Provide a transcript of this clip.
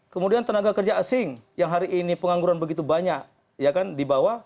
kemudian tenaga kerja asing yang hari ini pengangguran begitu banyak dibawa